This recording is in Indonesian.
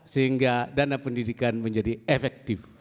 sehingga dana pendidikan menjadi efektif